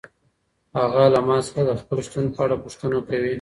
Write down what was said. هغه له ما څخه د خپل شتون په اړه پوښتنه کوي.